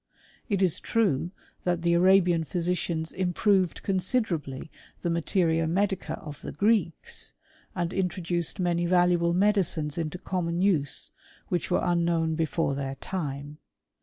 It is true that the Arabian physicians improved con siderably the materia medica of the Greeks, and in troduced many valuable medicines into common use which Were unknown before their time.